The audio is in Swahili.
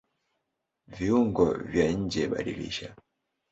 Viungo vya njeBadilisha